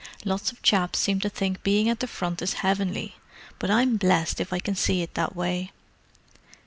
Lots of chaps seem to think being at the Front is heavenly, but I'm blessed if I can see it that way.